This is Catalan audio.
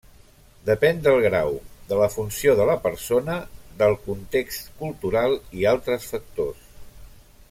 Depén del grau, de la funció de la persona, del context cultural i altres factors.